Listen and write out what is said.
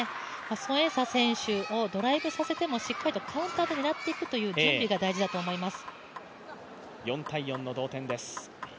孫エイ莎選手をドライブさせてもしっかりとカウンターで狙っていく準備が大事だと思います。